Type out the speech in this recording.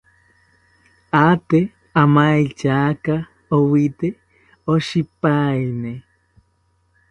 Aate amaetyaka owite oshipaeni